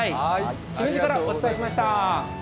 姫路からお伝えしました。